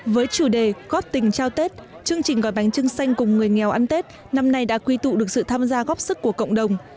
với chủ đề góp tình trao tết chương trình gói bánh trưng xanh cùng người nghèo ăn tết năm nay đã quy tụ được sự tham gia góp sức của cộng đồng